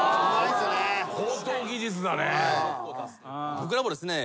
僕らもですね。